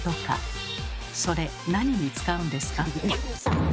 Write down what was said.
それ何に使うんですか？